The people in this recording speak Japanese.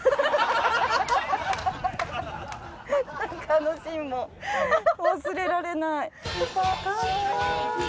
あのシーンも忘れられない。